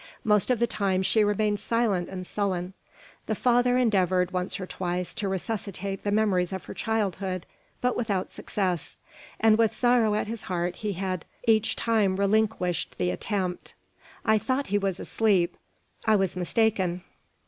Most of the time she remained silent and sullen. The father endeavoured, once or twice, to resuscitate the memories of her childhood, but without success; and with sorrow at his heart he had each time relinquished the attempt. I thought he was asleep. I was mistaken.